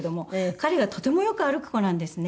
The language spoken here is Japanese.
彼がとてもよく歩く子なんですね。